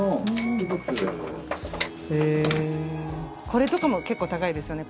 これとかも結構高いですよね。